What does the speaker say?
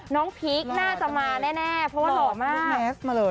น้องพีคน่าจะมาแน่เพราะว่าหรอมาก